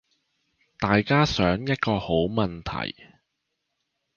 大家想一個好問題